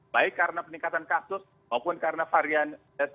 baik karena peningkatan kasus maupun karena varian delta